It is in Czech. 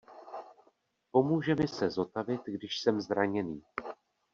Pomůže mi se zotavit, když jsem zraněný.